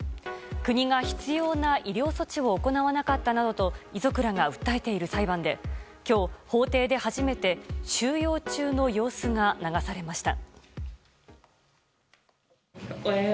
国が必要な医療措置を行わなかったなどと遺族らが訴えている裁判で今日、法廷で初めて収容中の様子が流されました。